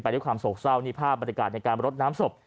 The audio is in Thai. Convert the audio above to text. ไปด้วยความโสดเศร้านิภาพบริการในการลดน้ำสบ